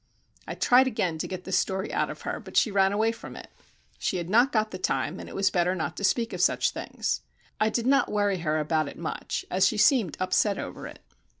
I tried again to get the story out of her, but she ran away from it. She had not got the time, and it was better not to speak of such things. I did not worry her about it much, as she seemed upset over it.